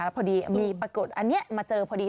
พอดีมีปรากฏอันนี้มาเจอพอดี